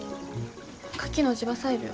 カキの地場採苗。